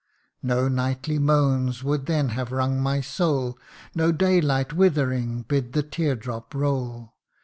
No nightly moans would then have wrung my soul ; No daylight withering bid the tear drop roll.